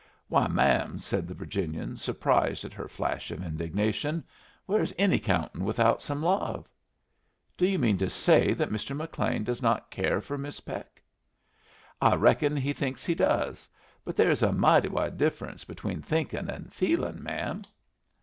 "Why, ma'am," said the Virginian, surprised at her flash of indignation, "where is any countin' without some love?" "Do you mean to say that Mr. McLean does not care for Miss Peck?" "I reckon he thinks he does. But there is a mighty wide difference between thinkin' and feelin', ma'am."